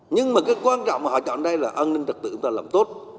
nhưng mà cái quan trọng mà họ chọn đây là an ninh trật tự của chúng ta làm tốt